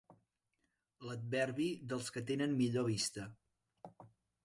L'adverbi dels que tenen millor vista.